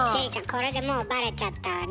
これでもうバレちゃったわね。